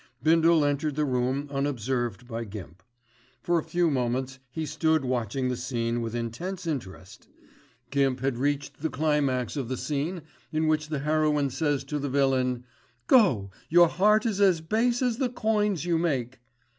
Bindle entered the room unobserved by Gimp. For a few moments he stood watching the scene with intense interest. Gimp had reached the climax of the scene in which the heroine says to the villain, "Go! Your heart is as base as the coins you make."